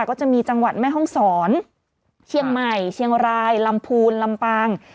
ก็จะมีจังหวัดแม่ห้องศรเชียงใหม่เชียงรายลำพูนลำปาง